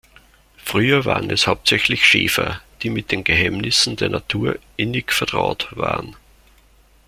Früher waren es hauptsächlich Schäfer, die mit den Geheimnissen der Natur „innig vertraut“ waren.